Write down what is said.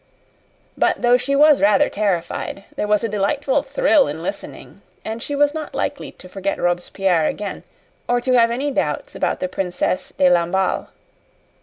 But though she was rather terrified, there was a delightful thrill in listening, and she was not likely to forget Robespierre again, or to have any doubts about the Princesse de Lamballe.